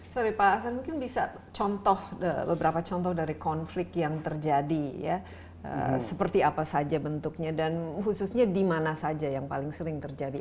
sorry pak hasan mungkin bisa contoh beberapa contoh dari konflik yang terjadi ya seperti apa saja bentuknya dan khususnya di mana saja yang paling sering terjadi